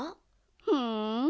ふん。